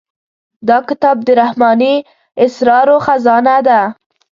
دا کتاب د رحماني اسرارو خزانه ده.